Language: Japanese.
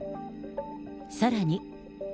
さらに。